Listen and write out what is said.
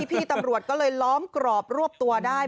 พี่ตำรวจก็เลยล้อมกรอบรวบตัวได้